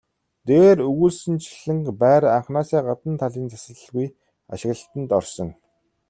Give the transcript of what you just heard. Дээр өгүүлсэнчлэн байр анхнаасаа гадна талын засалгүй ашиглалтад орсон.